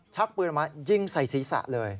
ชักปืนออกมายิงใส่ศีรษะเลย